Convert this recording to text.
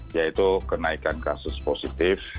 yaitu kenaikan kasus positif